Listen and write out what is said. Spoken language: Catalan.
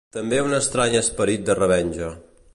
També un estrany esperit de revenja.